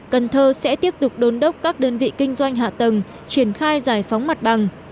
cần thơ sẽ tiếp tục đôn đốc các đơn vị kinh doanh hạ tầng triển khai giải phóng mặt bằng